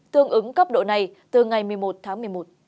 tương ứng cấp độ này từ ngày một mươi một tháng một mươi một